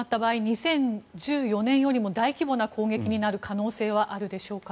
２０１４年よりも大規模な攻撃になる可能性はあるでしょうか。